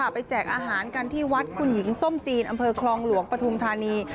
แจกอาหารกันที่วัดคุณหญิงส้มจีนอำเภอคลองหลวงปฐุมธานี